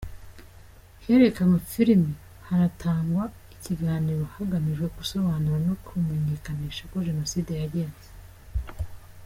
Herekanywe film hanatangwa ikiganiro hagamijwe gusobanura no kumenyekanisha uko Jenoside yagenze.